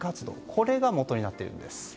これがもとになっているんです。